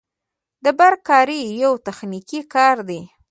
د برق کاري یو تخنیکي کار دی